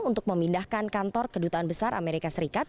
untuk memindahkan kantor kedutaan besar amerika serikat